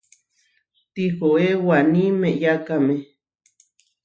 Tihoé waní meʼyákame.